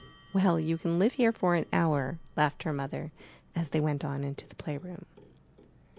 *' ''Well, you can live here for an hour,*' laughed her mother as they went on into the playroom.